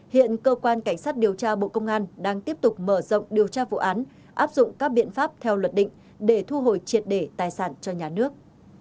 hiện cơ quan cảnh sát điều tra bộ công an đang tiếp tục mở rộng điều tra vụ án áp dụng các biện pháp theo luật định để thu hồi triệt để tài sản cho nhà nước